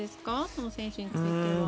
その選手については。